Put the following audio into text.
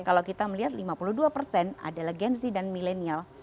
kalau kita melihat lima puluh dua persen adalah gen z dan milenial